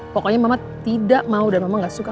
pokoknya mama tidak mau dan memang gak suka